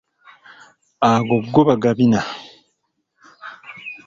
Ago go bagabina.